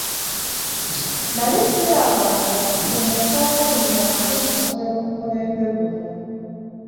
Nnali ssirabanga ku muntu atalinnyangako mu ssomero ku mulembe guno.